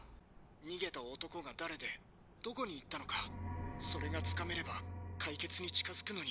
逃げた男が誰でどこに行ったのかそれがつかめれば解決に近づくのに。